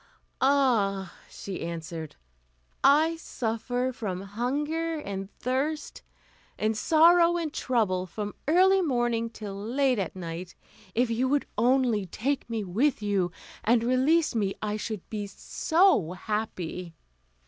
"Ah!" she answered, "I suffer from hunger and thirst, and sorrow, and trouble, from early morning till late at night; if you would only take me with you, and release me, I should be so happy."